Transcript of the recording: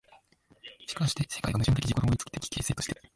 しかして世界が矛盾的自己同一的形成として、